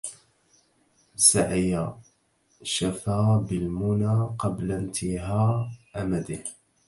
سعي شفى بالمنى قبل انتها أمده